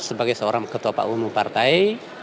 sebagai seorang ketua pak unung partai